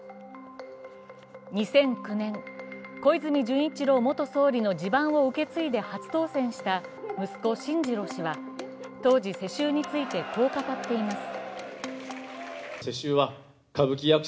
２００９年、小泉純一郎元総理の地盤を受け継いで初当選した息子・進次郎氏は当時、世襲についてこう語っています。